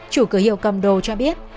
chủ cửa hiệu cầm đồ cho biết